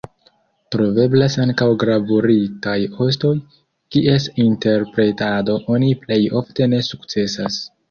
Troveblas ankaŭ gravuritaj ostoj, kies interpretado oni plej ofte ne sukcesas.